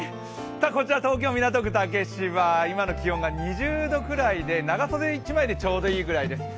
こちら東京・港区竹芝、今の気温は２０度ぐらいで長袖１枚でちょうどいいぐらいです。